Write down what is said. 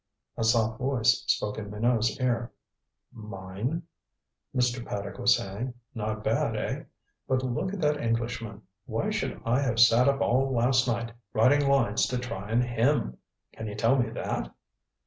A soft voice spoke in Minot's ear. "Mine," Mr. Paddock was saying. "Not bad, eh? But look at that Englishman. Why should I have sat up all last night writing lines to try on him? Can you tell me that?"